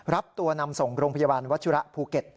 รับตัวนำส่งโรงพยาบาลวัชิระภูเก็ต